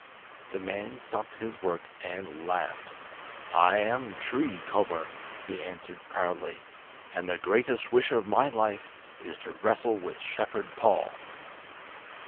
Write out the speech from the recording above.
The man stopped his work and laughed. "I am Tree Comber," he answered proudly; "and the greatest wish of my life is to wrestle with Shepherd Paul."